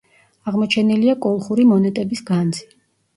აღმოჩენილია კოლხური მონეტების განძი.